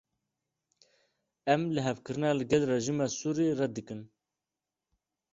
Em lihevkirina li gel rejîma Sûriyê red dikin.